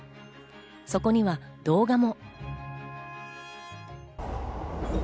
そこには動画も。